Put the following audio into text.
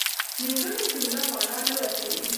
نيمګړې جمله مانا نه ورکوي.